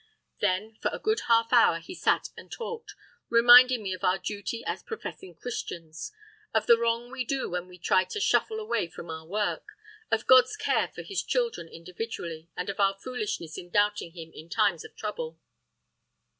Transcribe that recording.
Then for a good half hour he sat and talked, reminding me of our duty as professing Christians; of the wrong we do when we try to shuffle away from our work; of God's care for His children individually, and of our foolishness in doubting Him in times of trouble.